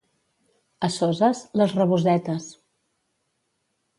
A Soses, les rabosetes.